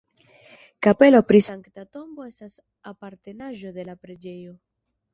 Kapelo pri Sankta Tombo estas apartenaĵo de la preĝejo.